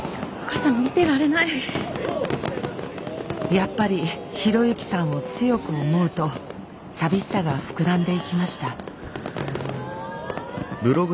やっぱり啓之さんを強く思うと寂しさが膨らんでいきました。